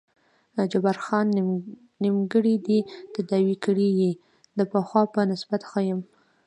جبار خان: نیمګړی دې تداوي کړی یې، د پخوا په نسبت ښه یم.